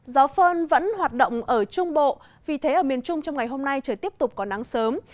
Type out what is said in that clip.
gió phơn vẫn hoạt động ở trung bộ vì thế ở miền trung trong ngày hôm nay trời tiếp tục có nắng sớm